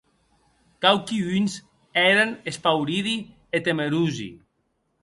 Quauqui uns èren espauridi e temerosi.